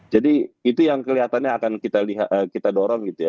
jadi itu yang kelihatannya akan kita dorong gitu ya